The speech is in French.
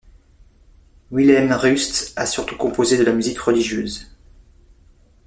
Wilhelm Rust a surtout composé de la musique religieuse.